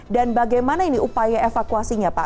dan bagaimana ini upaya evakuasinya pak